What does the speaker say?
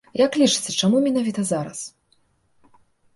Як лічыце, чаму менавіта зараз?